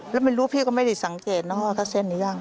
แล้วไม่รู้พี่ก็ไม่ได้สังเกตนะว่าเขาเส้นหรือยัง